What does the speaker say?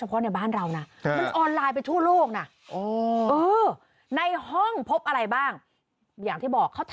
หรือหรือหรือ